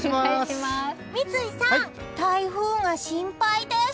三井さん、台風が心配です。